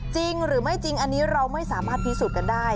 จริงหรือไม่จริงอันนี้เราไม่สามารถพิสูจน์กันได้